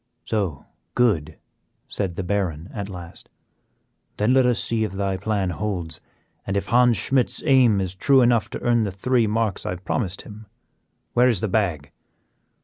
"So, good," said the Baron at last; "then let us see if thy plan holds, and if Hans Schmidt's aim is true enough to earn the three marks that I have promised him. Where is the bag?"